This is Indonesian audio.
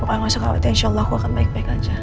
bapak yang masuk ke awal insya allah aku akan baik baik aja